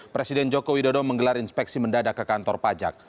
presiden jokowi dodo menggelar inspeksi mendadak ke kantor pajak